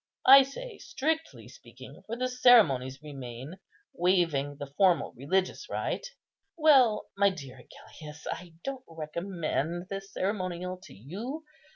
I say 'strictly speaking'; for the ceremonies remain, waiving the formal religious rite. Well, my dear Agellius, I don't recommend this ceremonial to you.